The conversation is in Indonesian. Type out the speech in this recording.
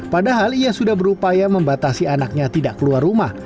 padahal ia sudah berupaya membatasi anaknya tidak keluar rumah